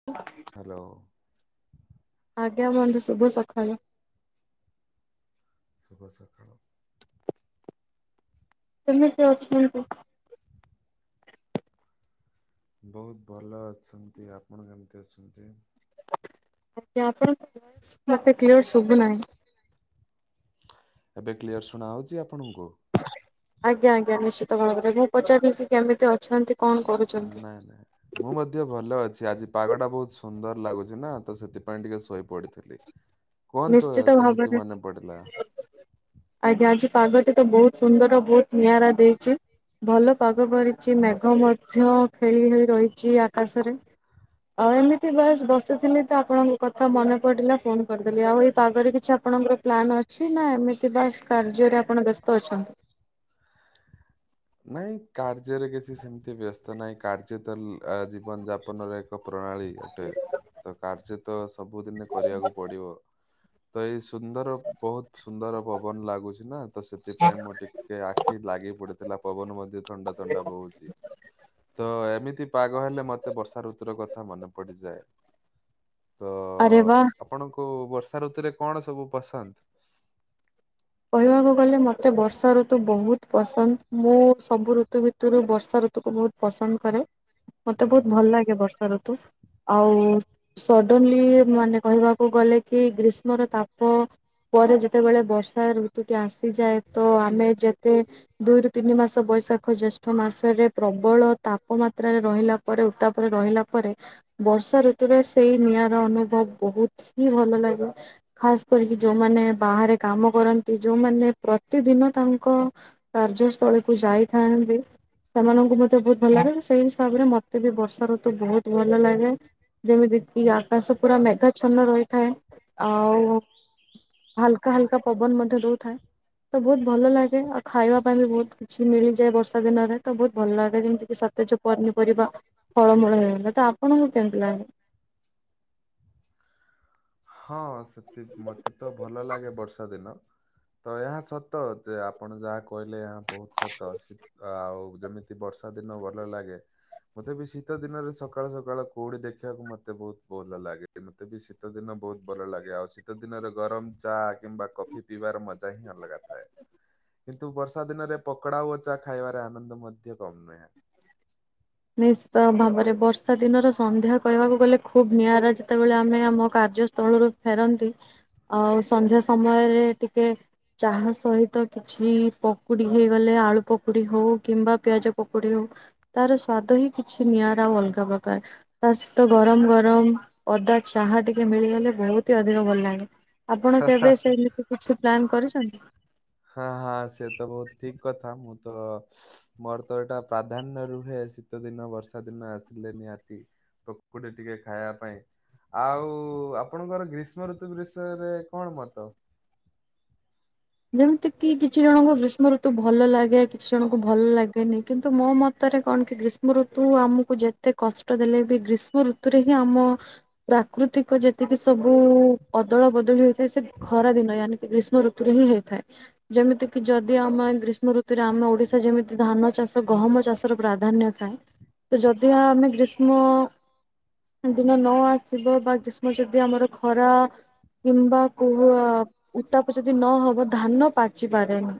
[inaudible] Hello. ଆଜ୍ଞା ବନ୍ଧୁ, ଶୁଭ ସକାଳେ। ଶୁଭ ସକାଳ। କେମିତି ଅଛନ୍ତି? ବହୁତ୍ ଭଲ ଅଛନ୍ତି, ଆପଣ କେମିତି ଅଛନ୍ତି? ଆଜ୍ଞା ଆପଣଙ୍କ ଭଏସ୍ ମତେ କ୍ଲିୟର୍ ଶୁଭୁନାହିଁ। ଏବେ କ୍ଲିୟର୍ ଶୁଣାଯାଉଛି ଆପଣଙ୍କୁ? ଆଜ୍ଞା-ଆଜ୍ଞା ନିଶ୍ଚିତ ଭାବରେ ମୁଁ ପଚାରିଲି କି କେମିତି ଅଛନ୍ତି। କଣ କରୁଛନ୍ତି? ନା ନା। ମୁଁ ମଧ୍ୟ ଭଲ ଅଛି ଆଜି ପାଗଟା ବହୁତ ସୁନ୍ଦର ଲାଗୁଛି ନା, ତ ସେଥିପାଇଁ ଟିକେ ଶୋଇ ପଡିଥିଲି। [inaudible] କୁହନ୍ତୁ ନିଶ୍ଚିତ କେମିତି ଭାବରେ ମନେ ପଡିଲା? ଆଜ୍ଞା ଆଜି ପାଗଟି ତ ବହୁତ୍ ସୁନ୍ଦର ବହୁତ ନିଆରା ଦେଇଛି ଭଲ ପାଗ କରିଛି ମେଘ ମଧ୍ୟ ଖେଳି ହୋଇ ରହିଛି ଆକାଶରେ ଆଉ ଏମିତି ଭଏସ୍ ବସିଥିଲି ତ ଆପଣଙ୍କ କଥା ମନେ ପଡିଲା ଫୋନ କରି ଆଉ ଏଇ ପାଗରେ କିଛି ଆପଣଙ୍କର ପ୍ଲାନ୍ ଅଛି ନା ଏମିତି ବା କାର୍ଯ୍ୟରେ ଆପଣ ବ୍ୟସ୍ତ ଅଛନ୍ତି? ନାଇଁ କାର୍ଯ୍ୟରେ କିଛି ସେମିତି ବ୍ୟସ୍ତ ନାହିଁ କାର୍ଯ୍ୟ ତ ଜୀବନ ଯାପନର ଏକ ପ୍ରଣାଳୀ ଗୋଟେ ତ କାର୍ଯ୍ୟ ତ ସବୁଦିନେ କରିବାକୁ ପଡିବ ତ ଏଇ ସୁନ୍ଦର ବହୁତ୍ ସୁନ୍ଦର ପବନ୍ ଲାଗୁଛି ନା ତ ସେଥିପାଇଁ ମୁଁ ଟିକେ ଏ ଆଖି ଲାଗି ପଡିଥିଲା ପବନ ମଧ୍ୟ ଥଣ୍ଡା ଥଣ୍ଡା ବହୁଛି ତ ଏମିତି ପାଗ ହେଲେ ମତେ ବର୍ଷା ଋତୁର କଥା ମନେ ପଡିଯାଏ ତ ଅରେ ବା। ଆପଣଙ୍କୁ ବର୍ଷା ଋତୁରେ କଣ ସବୁ ପସନ୍ଦ୍? କହିବାକୁ ଗଲେ ମୋତେ ବର୍ଷା ଋତୁ ବହୁତ୍ ପସନ୍ଦ୍ ମୁଁ ସବୁ ଋତୁ ଭିତରୁ ବର୍ଷା ଋତୁକୁ ବହୁତ ପସନ୍ଦ କରେ ମତେ ହୁଁ ବହୁତ୍ ଭଲ ଲାଗେ ହୁଁ। ବର୍ଷା ଋତୁ ଆଉ ସଡନଲି ମାନେ କହିବାକୁ ମୁଁଗଲେ କି ଗ୍ରୀଷ୍ମର ତାପ ପରେ ଯେତେବେଳେ ବର୍ଷା ରୁ ଆସିଯାଏ ତ ଆମେ ଯେତେ ଦୁଇରୁ ତିନି ମାସ ବୈଶାଖ, ଜ୍ୟେଷ୍ଠ ମାସରେ ପ୍ରବଳ ତାପମାତ୍ରାରେ ରହିଲା ପରେ ଉତ୍ତାପରେ ରହିଲା ପରେ ବର୍ଷା ଋତୁରେ ସେଇ ନିଆଁର ଅନୁଭବ ବହୁତ୍ ହି ଭଲ ଲାଗେ ଖାସ୍ କରିକି ଯୋଉମାନେ ବାହାରେ କାମ କରନ୍ତି ଯୋଉମାନେ ପ୍ରତିଦିନ ତାଙ୍କ କାର୍ଯ୍ୟସ୍ଥଳୀକୁୁ ଯାଇଥାନ୍ତି ସେମାନଙ୍କୁ ମତେ ବହୁତ୍ ଭଲ ଲାଗେ ସେଇ ହିସାବରେ ମତେ ବି ବର୍ଷା ଋତୁ ବହୁତ ଭଲ ଲାଗେ ଯେମିତି କିି ଆକାଶ ପୁରା ମେଘା ଛନ ରହିଥାଏ ଆଉ ହଲକା ହଲକା ପବନ ମଧ୍ୟ ରୁ ଥାଏ ତ ବହୁତ୍ ଭଲ ଲାଗେ ଆଉ ଖାଇବା ପାଇଁ ବି ବହୁତ୍ କିଛି ମିଳିଯାଏ ବର୍ଷା ଦିନରେ ତ ବହୁତ୍ ଭଲ ଲାଗେ ଯେମିତି କି ସତେଜ ପନିପରିବା ଫଳମୂଳ ହେଇଗଲା ତ ଆପଣଙ୍କୁ କେମିତି ଲାଗେ? ହଁ ସେତି ମତେ ତ ଭଲ ଲାଗେ ବର୍ଷା ଦିନ ତ ଏହା ସତ ଯେ ଆପଣ ଯାହା କହିଲେ ଏହା ବହୁତ୍ ସତ ଅଛି ଆଉ ଯେମିତି ବର୍ଷା ଦିନ ଭଲ ଲାଗେ ମତେ ବି ଶୀତ ଦିନରେ ସକାଳୁ ସକାଳୁ କୋଉଡିି ଦେଖିବାକୁ ମତେ ବହୁତ ଭଲ ଲାଗେ। ମୋତେ ବି ଶୀତ ଦିନ ବହୁତ୍ ଭଲ ଲାଗେ ଆଉ ଶୀତ ଦିନରେ ଗରମ ଚା କିମ୍ବା କଫି ପିଇବାର ମଜା ହିଁ ଅଲଗା ଥା କିନ୍ତୁ ବର୍ଷା ଦିନରେ ପକଡା ଓ ଚା ଖାଇବାରେ ଆନନ୍ଦ ମଧ୍ୟ କମ୍ ନୁହେଁ। ନିଶ୍ଚିତ ଭାବରେ ବର୍ଷା ଦିନର ସନ୍ଧ୍ୟା କହିବାକୁ ଗଲେ ଖୁବ ନିଆରା ସେତେବେଳେ ଆମେ ଆମ କାର୍ଯ୍ୟସ୍ଥଳରୁ ଫେରନ୍ତି, ଆଉ ସନ୍ଧ୍ୟା ସମୟରେ ଟିକେ ଚାହା ସହିତ କିଛି ପକୁଡ଼ି ହେଇଗଲେ ଆଳୁ ପକୁଡ଼ି ହଉ କିମ୍ବା ପିଆଜ ପକୁୋଡ଼ି ହଉ ତାର ସ୍ଵାଦ ହିଁ କିଛି ନିଆରା ଆଉ ଅଲଗା ପ୍ରକାର ତା ସହିତ ଗରମ୍ ଗରମ୍ ଅଦା ଚାହା ଟିକେ ମିଳିଗଲେ ବହୁତ୍ ଅଧିକ ଭଲଲାଗେ ଆପଣ କେବେ ସେମିତି କିଛି ପ୍ଲାନ୍ କରିଛନ୍ତି? ହାଁ ହାଁ ସେ ତ ବହୁତ୍ ଠିକ୍ କଥା ମୁଁ ତ ମୋର ତ ଏଇଟା ପ୍ରାଧାନ୍ୟ ରୁହେ ସି ଶୀତ ଦିନ ବର୍ଷା ଦିନ ଆସିଲେ ନିିହାତି ପକୁଡି ଟିକେ ଖାଇବା ପାଇଁ ଆଉ ଆପଣଙ୍କର ଗ୍ରୀଷ୍ମ ଋତୁ ବିଷୟରେ କଣ ମତ? ଯେମିତି କି କିଛି ଜଣଙ୍କୁ ଗ୍ରୀଷ୍ମ ଋତୁ ଭ ଭଲ ଲାଗେ କିଛି ଜଣଙ୍କୁ ଭଲ ଲାଗେନି କିନ୍ତୁ ମୋ ମତରେ କଣ କି ଗ୍ରୀଷ୍ମ ଋତୁ ଆମକୁ ଯେ ଯେତେ କଷ୍ଟ ଦେଲେ ବି ଗ୍ରୀଷ୍ମ ଋତୁରେ ହିଁ ଆମ ପ୍ରାକୃତିକ ଯେତିକି ସବୁ ଅଦଳ ବଦଳି ହେଥାଏ ସେ ଖରା ଦିନ ଆନିକି ଗ୍ରୀଷ୍ମ ଋତୁ ହିଁ ହେଇଥାଏ। ଯେମିତି କିି ଯଦି ଆମେ ଗ୍ରୀଷ୍ମ ଋତୁରେ ଆମ ଓଡିଶା ଯେମିତି ଧାନ ଚାଷ, ଗହମ ଚାଷ ପ୍ରାଧାନ୍ୟ ଥାଏ ତ ଯଦି ଆମେ ଗ୍ରୀଷ୍ମ ଦିନ ନ ଆସିବ ବା ଗ୍ରୀଷ୍ମ ଯଦି ଆମର ଖରା କିମ୍ବା କୋ ଉତାପ ଯଦି ନହବ ଧାନ ପାଚି ପାରେନି।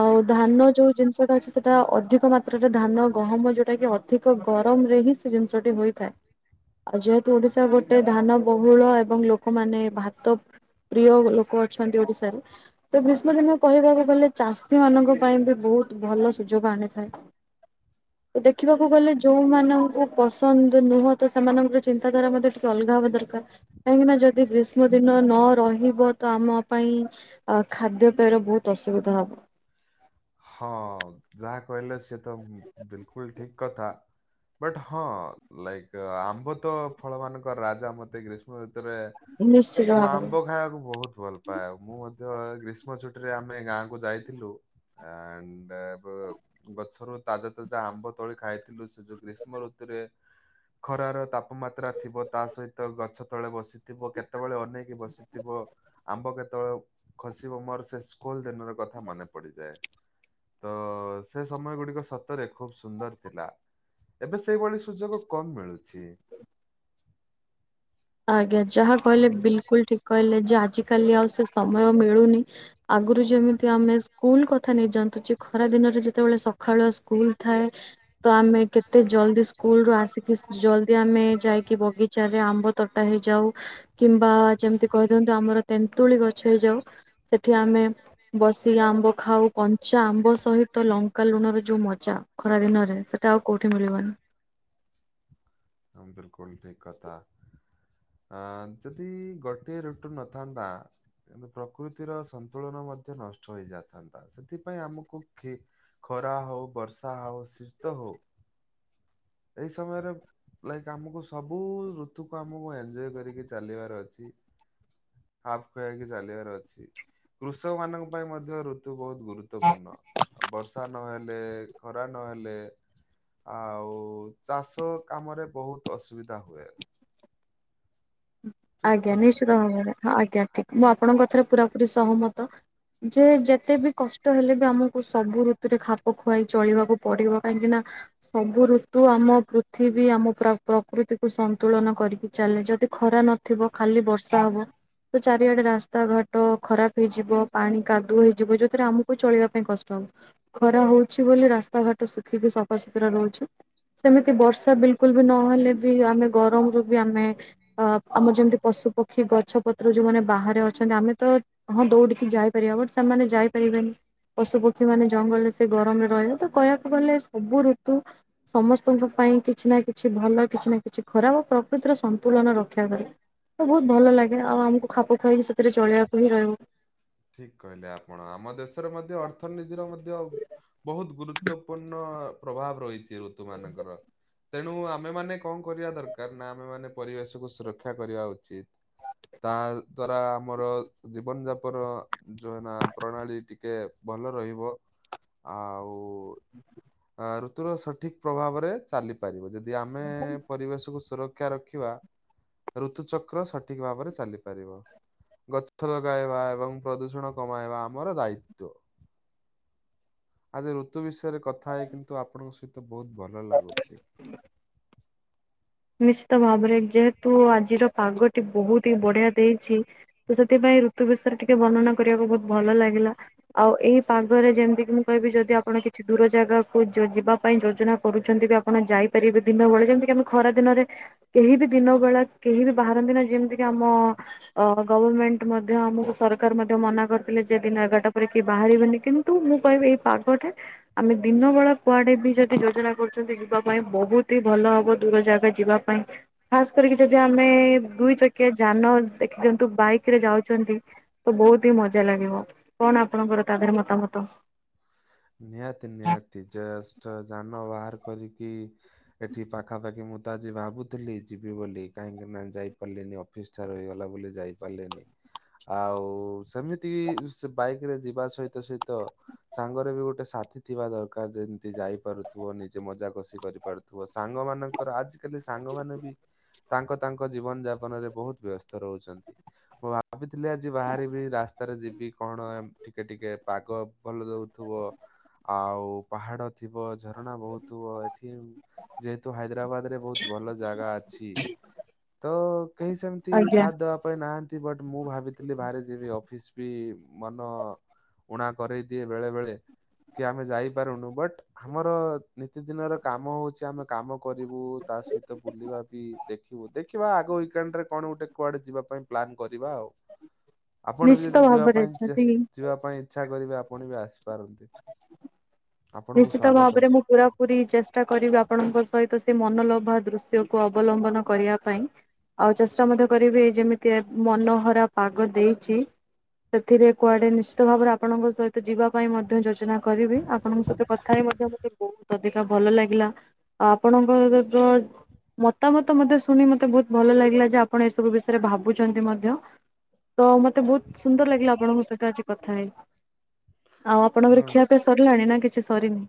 ଆଉ ଧାନ ଯୋଉ ଜିନିଷଟା ଅଛି ସେଟା ଅଧିକ ମାତ୍ରାରେ ଧାନ ଗହମ ଯୋଉଟା କି ଅଧିକ ଗରମ ରେ ହିଁ ସେ ଜିନିଷଟି ହୋଇଥାଏ। ଆଉ ଯେହେତୁ ଓଡିଶା ଗୋ ଗୋଟେ ଧାନ ବହୁଳ ଏବଂ ଲୋକମାନେ ଭାତ ପ୍ରିୟ ଲୋକ ଅଛନ୍ତି ଓଡିଶାରେ ତ ଗ୍ରୀଷ୍ମ ଦିନ କହିବାକୁ ଗଲେ ଚାଷୀ ମାନଙ୍କ ପାଇଁ ବି ବହୁତ ଭଲ ସୁଯୋଗ ଆଣିଥାଏ। ଦେ ଦେଖିବାକୁ ଗଲେ ଯେଉଁମାନଙ୍କୁ ପସନ୍ଦ ନୁହଁ ତ ସେମାନଙ୍କର ଚିନ୍ତାଧାରା ମଧ୍ୟ ଟି ଅଲଗା ହବା ଦରକାର କାହିଁକିନା ଯଦି ଗ୍ରୀଷ୍ମ ଦିନ ନ ରହିବ ତ ଆମ ପାଇଁ ଆ ଖାଦ୍ୟପେୟ ର ବହୁତ ଅସୁବିଧା ହବ। ହଁ ଯାହା କହିଲେ ସେ ତ ବିଲକୁଲ ଠିକ କଥା, ବଟ୍ ହଁ ଲାଇକ୍ ଆମ୍ବ ତ ଫଳ ମାନଙ୍କର ରାଜା ମତେ ଗ୍ରୀଷ୍ମ ଭିତରେ ନିଶ୍ଚିତ ମୁଁ ଭାବରେ। ଆମ୍ବ ଖାଇବାକୁ ବହୁତ ଭଲ ପାଏ, ମୁଁ ମଧ୍ୟ ଗ୍ରୀଷ୍ମ ଛୁଟିରେ ଆମେ ଗାଁକୁୁ ଯାଇଥିଲୁ ଆଣ୍ଡ ବୋ ଗଛରୁ ତାଜା ତାଜା ଆମ୍ବ ତୋଳି ଖାଇଥିଲୁ ସେ ଯୋଉ ଗ୍ରୀଷ୍ମ ଋତୁରେ ଖରାର ତାପମାତ୍ରା ଥିବ ତା ସହିତ ଗଛ ତଳେ ବସିଥିବ କେତେବେଳେ ଅନେଇକି ବସି ଥିବ ଆମ୍ବ କେତେବେଳେ ଖସିବ ମୋର ସେ ସ୍କୁଲ ଦିନର କଥା ମନେ ପଡିଯାଏ। ତ ସେ ସମୟ ଗୁଡିକ ସତରେ ଖୁବ୍ ସୁନ୍ଦର ଥିଲା। ଏବେ ସେଇଭଳି ସୁଯୋଗ କମ୍ ମିଳୁଛି। ଆଜ୍ଞା। ଯାହା ତ କହିଲେ ବିଲକୁଲ୍ ଠିକ୍ କହିଲେ ଯେ ଆଜି କାଲି ଆଉ ସେ ସମୟ ମିଳୁନି ଆଗରୁ ଯେମିତି ଆମେ ସ୍କୁଲ କ କଥା ନେଇ ଜାନ୍ତୁ ଯେ ଖରା ଦିନରେ ଯେତେବେଳେ ସକାଳୁ ସ୍କୁଲ ଥାଏ ତ ଆମେ କେତେ ଜଲଦି ସ୍କୁଲ ରୁ ଆସିକି ଜଲଦି ଆମେ ଯାଇକି ବଗିଚାରେ ଆମ୍ବ ତଟା ହେଇଯାଉ କିମ୍ବା ଯେମିତି କହିଦିଅନ୍ତୁ ଆମର ତେନ୍ତୁଳି ଗଛରେ ଯାଉ। ସେଠି ଆମେ ବସିକି ଆମ୍ବ ଖାଉ କଞ୍ଚା ଆମ୍ବ ସହିତ ତ ଲଙ୍କା ଲୁଣ ର ଯୋଉ ମଜା ଖରା ଦିନରେ ସେଇଟା ଆଉ କୋଉଠି ମିଳିବନି। ହଁ ବିଲକୁଲ ଠିକ କଥା। ଅ ଯଦି ଗୋଟଏ ରୁଟୁ ନଥାନ୍ତା କିନ୍ତୁ ପ୍ରକୃତିର ସନ୍ତୁଳନ ମଧ୍ୟ ନଷ୍ଟ ହେଇଯାଇଥାନ୍ତା। ସେଥିପାଇଁ ଆମକୁ କେ ଖରା ହଉ ବର୍ଷା ହଉ ଶୀତ ହଉ ଏଇ ସମୟରେ ଲାଇକ୍ ଆମକୁ ସବୁ ଋତୁକୁ ଆମକୁ ଏଞ୍ଜୟ୍ କରିକି ଚାଲିବାର ଅଛି। ଖାପ ଖୁଆଇକି ଚାଲିବାର ଅଛି। କୃଷକ ମାନଙ୍କ ପାଇଁ ମଧ୍ୟ ଋତୁ ବହୁତ ଗୁରୁତ୍ୱପୂର୍ଣ୍ଣ। ଅ ବର୍ଷା ନହେଲେ ଖରା ନହେଲେ ଆଉ ଚାଷ କାମରେ ବହୁତ ଅସୁବିଧା ହୁଏ। ଠିକ ଆଜ୍ଞା କଥା କି ନିଶ୍ଚିତ ନାଇଁ? ଭାବରେ। ଆଜ୍ଞା ଠିକ। ମୁଁ ଆପଣଙ୍କ କଥାରେ ପୁରାପୁରୀ ସହମତ। ଯେ ଯେତେ ବି କଷ୍ଟ ହେଲେ ବି ଆମକୁ ସବୁ ଋତୁରେ ଖାପ୍ ଖ ଖୁଆଇ ଚଳିବାକୁ ପଡିବ କାହିଁକି ନା ସବୁ ଋତୁ ଆମ ପୃଥିବୀ ଆମ ପ୍ରକୃତିକୁୁ ସନ୍ତୁଳନ କରିକି ଚାଲେ। ଯଦି ଖରା ନଥିବ ଖାଲି ବର୍ଷା ହବ ତ ଚାରିଆଡେ ରାସ୍ତା ଘାଟ ଖରାପ ହେଇଯିବ, ପାଣି କାଦୁଅ ହେଇଯିବ ଯଉଥିରେ ଆମକୁ ଚଳିବା ପାଇଁ କଷ୍ଟ ହବ। ଖରା ହଉଚି ବୋଲି ରାସ୍ତାଘାଟ ଶୁଖିକି ସଫାସୁତୁରା ରହୁଚି। ସେମିତି ବର୍ଷା ବିଲକୁଲ ବି ନହେଲେ ବି ଆମେ ଗରମରୁ ବି ଆମେ ଅ ଆମର ଯେମିତି ପଶୁ ପକ୍ଷୀ ଗଛ ପତ୍ର ଯୋଉମାନେ ବାହାରେ ଅଛନ୍ତି ଆମେ ତ ହଁ ଦୌଡିକି ଯାଇପାରିବା ବଟ ସେମାନେ ତ ଯାଇପାରିବେନି। ପଶୁ ପକ୍ଷୀ ମାନେ ଜଙ୍ଗଲରେ ସେ ଗରମରେ ରହିଲେ ତ କହିବାକୁ ଗଲେ ସବୁ ଋତୁ ସମସ୍ତଙ୍କ ପାଇଁ କିଛି ନା କିଛି ଭଲ କିଛି ନା କିଛି ଖରାପ ଓ ପ୍ରକୃତିର ସନ୍ତୁଳନ ରଖ୍ ଖୀବା ପାଈଁ ତ ବହୁତ୍ ଭଲ ଲାଗେ ଆଉ ଆମକୁ ଖାପ ଖୁଆଇ ସେଥିରେ ଚଳିବାକୁ ହିଁ ରହିବ। ଠିକ କହିଲେ ଆପଣ ଆମ ଦେଶରେ ମଧ୍ୟ ଅର୍ଥନୀତିର ମଧ୍ୟ ବହୁତ ଗୁରୁତ୍ୱପୂର୍ଣ୍ଣ ପ୍ରଭାବ ରହିଚି ଋତୁ ମାନଙ୍କର। ତେଣୁ ଆମେ ମାନେ କଣ କରିବା ଦରକାର ନା ଆମେ ମାନେ ପରିବେଶକୁ ସୁରକ୍ଷା କରିବା ଉଚିତ୍‌। ତା ଦ୍ଵାରା ଆମର ଜୀବନ ଯାପନ ଯୋନା ପ୍ରଣାଳୀ ଟିକେ ଭଲ ରହିବ ଆଉ ଉ ଆ ଋତୁର ସଠିକ ପ୍ରଭାବରେ ଚାଲି ପାରିବ ଯଦି ଦି ଆମେ ପରିବେଶକୁ ସୁରକ୍ଷା ରଖିବା ଋତୁଚକ୍ର ସଠିକ ଭାବରେ ଚାଲିପାରିବ। ଗଛ ଲଗାଇବା ଏବଂ ପ୍ରଦୂଷଣ କମାଇବା ଆମର ଦାୟିତ୍ଵ। ଆଜି ଋ ତୁ ବିଷୟରେ କଥା ହେଇ କିନ୍ତୁ ଆପଣଙ୍କ ସହିତ ବହୁତ ଭଲ ଲାଗୁଚି। ନିଶ୍ଚିତ ଭାବରେ, ଯେହେତୁ ଆଜିର ପାଗଟି ବହୁତ ହି ବଢିଆ ଦେଇଚି ତ ସେଥିପାଇଁ ଋତୁ ବିଷୟରେ ଟିକେ ବର୍ଣ୍ଣନା କରିବାକୁ ବହୁତ ଭଲ ଲାଗିଲା। ଆଉ ଏଇ ପାଗରେ ଯେମିତି କିି ମୁଁ କହିବି ଯଦି ଆପଣ କିଛି ଦୂର ଜାଗାକୁ ଯ ଯିବା ପାଇଁ ଯୋଜନା କରୁଚନ୍ତି ବି ଆପଣ ଯାଇପାରିବେ ଦିନ ବେଳେ ଯେମିତିକ ଆମେ ଖରା ଦିନରେ କେହି ବି ଦିନ ବେଳା କେହି ବି ବାହାରନ୍ତି ନା ଯେମିତି କି ଆମ ଅ ଗଭରମେଣ୍ଟ ମଧ୍ୟ ଆମକୁ ସରକାର ମଧ୍ୟ ମନା କରିଥିଲେ ଯେ ଦିନ ଏଗାରଟା ପରେ କିଏ ବାହାରିବେନି କିମୁ ନ୍ତୂ ମୁଁ କହିବି ଏଇ ପାଗଟା ଆମେ ଦିନ ବେଳା କୁଆଡେ ବି ଯଦି ଯୋଜନା କରୁଚନ୍ତି ଯିବା ପାଇଁ ବହୁତ ହି ଭଲ ହବ। ଦୂର ଜାଗା ଯିବା ପାଇଁ ଖାସ୍‌ କରିକି ଯଦି ଆମେ ଦୁଇ ଚକ କିଏ ଯାନ ଦେଖି ଦିଅନ୍ତୁ ବାଇକ ରେ ଯାଉଛନ୍ତି ତ ବହୁତ୍ ଟିକିଏ ମଜା ଲାଗିବ। କଣ ଆପଣଙ୍କର ତା ଦେହରେ ମତାମତ? ନିହାତି ନିହାତି ଜେଷ୍ଠ ଯାନ ବାହାର କରିକି ଏଠି ପାଖାପାଖି ମୁଁ ତ ଆଜି ଭାବୁଥିଲି ଯିବି ବୋଲି କାହିଁକି ନାା ଯାଇପାରିଲିନି ଫିଷ୍ଟାର ହୋଇଇଗଲା ବୋଲି ଯାଇ ପାରିଲିନି। ଆଉ ସେମିତି ସେ ବାଇକ ରେ ଯିବା ସହିତ ସହିତ ସାଙ୍ଗରେ ବି ଗୋଟେ ସାଥି ଥିବା ଦରକାର ଯେମିତି ଯାଇ ପାରୁଥିବ। ନିଜେ ମଜାକସିି କରିପାରୁ ଥିବା ସାଙ୍ଗ ମାନଙ୍କର ଆଜିକାଲି ସାଙ୍ଗ ମାନେ ବି ତାଙ୍କ ତାଙ୍କ ଜୀବନ ଯାପନ ରେ ବହୁତ ବ୍ୟସ୍ତ ରହୁଛନ୍ତି। ମୁଁ ଭାବିଥିଲି ଆଜି ବାହାରିବି ରାସ୍ତାରେ ଯିବି କଣ ଟିକେ ଟିକେ ପାଗ ଭଲ ଦଉଥିବ ଆଉ ପାହାଡ ଥିବ ଝରଣା ବହୁଥିବ ଏଠି ଯେହେତୁ ହାଇଦ୍ରାବାଦ ରେ ବହୁତ ଭଲ ଜାଗା ଅଛି, ତ କେହି ସେମିତି ଆଜ୍ଞା ସାଥ ଦେବା ପାଇଁ ନାହାନ୍ତି ବଟ୍ ମୁଁ ଭାବିଥିଲି ବାହ ଯିବି ଅଫିସ ବି ମନ ଉଣା କରେଇ ଦିଏ ବେଳେ ବେଳେ କି ଆମେ ଯାଇପାରୁନୁ ବଟ ଆମର ନିତିଦିନ ର କାମ ହଉଛି ଆମେ କାମ କରିବୁ ତା ସହିତ ବୁଲିବା ବି ଦେଖିବୁ ଦେଖିବା ଆଗୱ୍ୱିକ୍ ଏଣ୍ଡରେ କଣ ଗୋଟେ କୁଆଡେ ଯିବା ପାଇଁ ପ୍ଲାନ୍ କରିବା ଆଉ। ଆପଣ ବି ନିଶ୍ଚିତ ଯଦି ଭ। ଯିବା ବରେ ପାଇଁ ଚେଷ୍ ଯଦି ଯିବା ପାଇଁ ଇଚ୍ଛା କରିବେ ଆପଣ ବି ଆସିପାରନ୍ତି। ଆପଣଙ୍କୁ ନିଶ୍ଚିତ ସ୍ଵାଗତ। ଭାବରେ ମୁଁ ପୁରା ପୁରୀ ଚେଷ୍ଟା କରିବି ଆପଣଙ୍କ ସହିତ ସେ ମନଲୋଭା ଦୃଶ୍ୟକୁ ଅବଲମ୍ବନ କରିବା ପାଇଁ। ଆଉ ଚେଷ୍ଟା ମଧ୍ୟ କରିବି ଯେମିତି ମନହରା ପାଗ ଦେଇଛି ସେଥିରେ କୁଆଡେ ନିଶ୍ଚିତ ଭାବରେ ଆପଣଙ୍କ ସହିତ ଯିବା ପାଇଁ ମଧ୍ୟ ଯୋଜନା କରିବି। ଆପଣଙ୍କ ସ କଥା ହେଇ ମଧ୍ୟ ମତେ ବହୁତ୍ [inaudible] ଶୁଣି ମତେ ବହୁତ ଭଲ ଲାଗିଲା ଯେ ଆପଣ ଏ ସବୁ ବିଷୟରେ ଭାବୁଛନ୍ତି ମଧ୍ୟ। ତୋ ମତେ ବହୁତ ସୁନ୍ଦର ଲାଗିଲା ଆପଣଙ୍କ ସହିତ ଆଜି କଥା ହେଇ। ଆଉ ହଁ ଆପଣଙ୍କର ଖିଆପିଆ ସରିଲାଣି ନା କିଛି ସରିନି?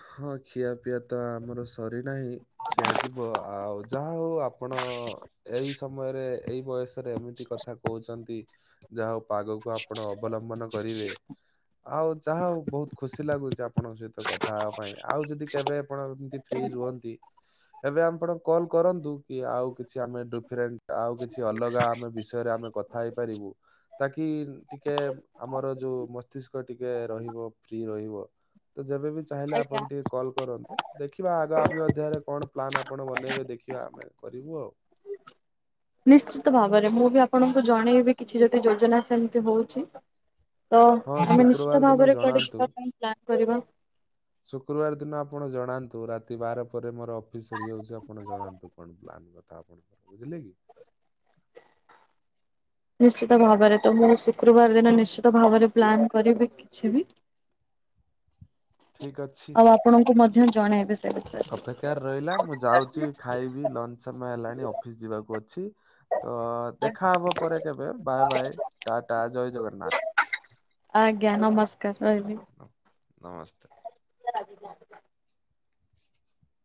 ହଁ ଖିଆ ପିଇଆ ତ ଆମର ସରିନାହିଁ। ଖିଆଯିବ ଆଉ ଯାହା ହଉ ଆପଣ ଏଇ ସମୟରେ ଏଇ ବୟସ ଏମିତି କଥା କହୁଛନ୍ତି ଯାହା ହଉ ପାଗକୁ ଆପଣ ଅବଲମ୍ବନ କରିବେ ଆଉ ଯାହା ହଉ ବହୁତ ଖୁସି ଲାଗୁଛି ଆପଣଙ୍କ ସହିତ କଥା ତା ପାଇଁ ଆଉ ଯଦି କେବେ ଆପଣ ଏମତି ଫ୍ରି ରୁହନ୍ତି ଏବେ ଆପଣ କଲ୍ କରନ୍ତୁ କି ଆଉ କିଛି ଆମେ ଡିଫରେଣ୍ଟ ଆଉ କିଛି ଅଲଗା ଆମେ ବିଷୟରେ ଆମେ କଥା ହେଇପାରିବୁ। ତାକି ଟିକେ ଆମର ଯୋଉ ମସ୍ତିଷ୍କ ଟିକେ ରହିବ ଫ୍ରି ରହିବ। ତ ଯେବେ ବିି ଚାହିଁଲେ ଆଜ୍ଞା। ଆପଣ ଟିକେ କଲ୍ କରନ୍ତୁ। ଦେଖିବା ଆଗାମୀ ଅଧ୍ୟାୟରେ କଣ ପ୍ଲାନ୍ ଆପଣ ବନେଇବେ ଦେଖିବା ଆମେ କରିବୁ ଆଉ। ନିଶ୍ଚିତ ଭାବରେ ମୁଁ ବି ଆପଣଙ୍କୁ ଜଣେଇବି କିଛି ଯଦି ଯୋଜନା ସେମିତି ହଉଛି। ତ ହଁ ଆମେ ନିଶ୍ଚିତ ଶୁକ୍ରବାର ଦିନ ଭାବରେ କୁଆଡେ ଜଣାନ୍ତୁ ଯିବା ପାଇଁ ପ୍ଲାନ୍ କରିବା। ଶୁକ୍ରବାର ଦିନ ଆପଣ ଜଣାନ୍ତୁ ରାତି ବାର ପରେ ମୋର ଅଫିସ ସରିଯାଉଛି ଆପଣ ଜଣାନ୍ତୁ କଣ ପ୍ଲାନ। କଥା ଆପଣଙ୍କର ବୁଝିଲେ କି? ନିଶ୍ଚିତ ଭାବରେ ତ ମୁଁ ଶୁକ୍ରବାର ଦିନ ନିଶ୍ଚିତ ଭାବରେ ପ୍ଲାନ୍ କରିବି କିଛି ବି। ଠିକ୍ ଅଛି ଆଉ ଆପଣଙ୍କୁ ମଧ୍ୟ ଜଣେଇବେ ସେ ବିଷୟରେ ଅପେକ୍ଷାରେ ରହିଲା ମୁଁ ଯାଉଛି ଖାଇବି ଲଞ୍ଚ ସମୟ ହେଲାଣି ଅଫିସ୍ ଯିବାକୁ ଅଛି ତ ଦେଖାହବ ପରେ କେବେ ବାଏ ବାଇ ଟା ଟା ଜୟ ଜଗନ୍ନାଥ। ଆଜ୍ଞା ନମସ୍କାର ରହିବି। ନମସ୍ତେ। [inaudible] [inaudible]